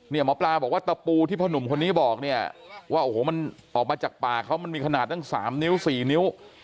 หมอปลาบอกว่าตะปูที่พ่อหนุ่มคนนี้บอกเนี่ยว่าโอ้โหมันออกมาจากป่าเขามันมีขนาดตั้ง๓นิ้ว๔นิ้ว